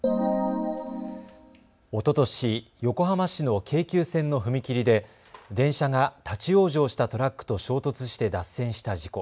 おととし横浜市の京急線の踏切で電車が立往生したトラックと衝突して脱線した事故。